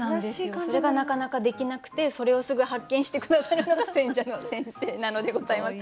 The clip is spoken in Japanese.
それがなかなかできなくてそれをすぐ発見して下さるのが選者の先生なのでございます。